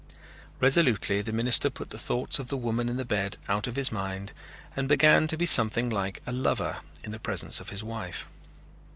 Resolutely the minister put the thoughts of the woman in the bed out of his mind and began to be something like a lover in the presence of his wife.